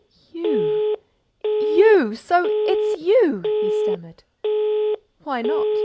"You—you—So it's you!" he stammered. "Why not?"